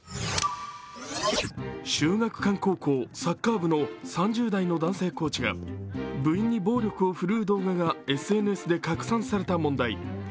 秀岳館高校サッカー部の３０代の男性コーチが部員に暴力を振るう動画がＳＮＳで拡散された問題。